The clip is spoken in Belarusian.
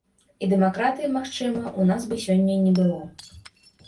І дэмакратыі, магчыма, у нас бы сёння не было.